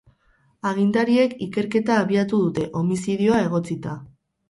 Agintariek ikerketa abiatu dute, homizidioa egotzita.